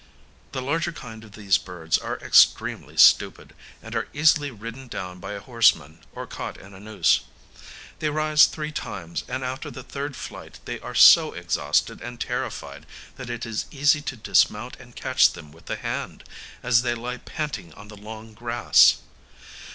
The larger kind of these birds are extremely stupid, and are easily ridden down by a horseman, or caught in a noose. They rise three times, and after the third flight they are so exhausted and terrified that it is easy to dismount and catch them with the hand, as they lie panting on the long grass.